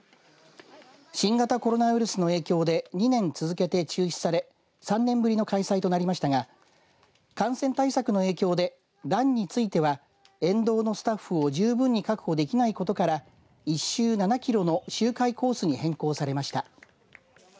新型コロナウイルスの影響で２年続けて中止され３年ぶりの開催となりましたが感染対策の影響でランについては、沿道のスタッフを十分に確保できないことから１周７キロの周回コースに変更されました。